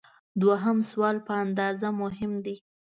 دوهم سوال په اندازه مهم دی.